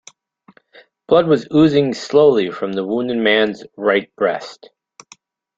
Blood was oozing slowly from the wounded man's right breast.